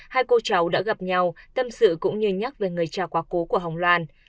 hai cô cháu đã gặp nhau tâm sự cũng như nhắc về người cha quá cố của hồng loan